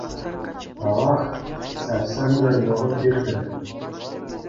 Тавах, ҫав сӗмсӗр вӑхӑт иртрӗ.